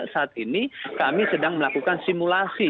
saat ini kami sedang melakukan simulasi